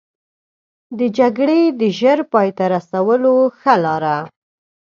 د جګړې د ژر پای ته رسولو ښه لاره.